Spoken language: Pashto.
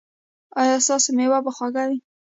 ایا ستاسو میوه به خوږه وي؟